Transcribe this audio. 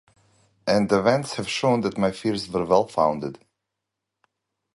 And events had shown that my fears were well founded.